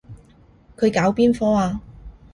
佢搞邊科啊？